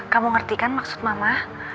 kamu ngerti kan maksud mama